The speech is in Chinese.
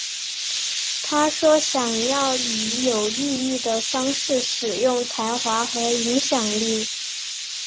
她说想要以有意义的方式使用才华和影响力。